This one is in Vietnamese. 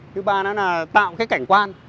thứ ba là tạo cái cảnh quan